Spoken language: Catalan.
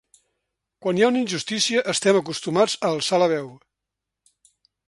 Quan hi ha una injustícia, estem acostumats a alçar la veu.